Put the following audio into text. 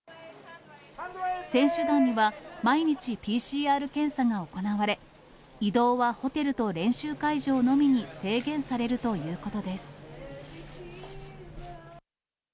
選手団には、毎日ＰＣＲ検査が行われ、移動はホテルと練習会場のみに制限されるということです。